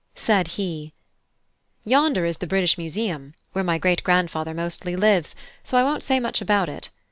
Said he: "Yonder is the British Museum, where my great grandfather mostly lives; so I won't say much about it.